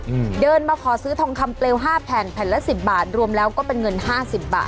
อืมเดินมาขอซื้อทองคำเปลวห้าแผ่นแผ่นละสิบบาทรวมแล้วก็เป็นเงินห้าสิบบาท